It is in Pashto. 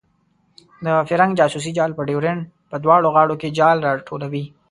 د فرنګ جاسوسي جال په ډیورنډ په دواړو غاړو کې جال راټولوي.